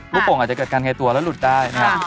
รูปโปรงอาจจะเกิดกันใครตัวแล้วหลุดได้นะครับ